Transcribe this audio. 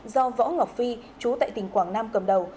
do võ ngọc phi chú tại tỉnh quảng nam cầm đầu